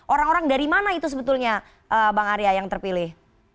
orang orang dari mana itu sebetulnya bang arya yang terpilih